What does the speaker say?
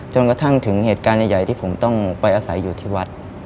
จนกระทั่งถึงเหตุการณ์ใหญ่ที่ผมต้องไปอาศัยอยู่ที่วัด